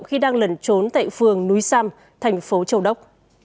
khi đang lẩn trốn tại phường núi sam thành phố châu đốc